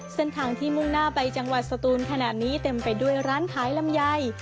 เส้นทางที่มุ่งหน้าไปจังหวัดสตูนขนาดนี้เต็มไปด้วยร้านขายลำไย